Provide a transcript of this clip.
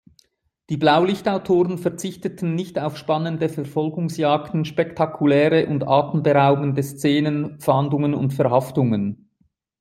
Die Blaulicht-Autoren verzichteten nicht auf spannende Verfolgungsjagden, spektakuläre und atemberaubende Szenen, Fahndungen und Verhaftungen.